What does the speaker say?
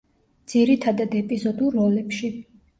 ძირითადად ეპიზოდურ როლებში.